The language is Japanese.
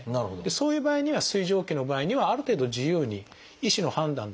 そういう場合には水蒸気の場合にはある程度自由に医師の判断でですね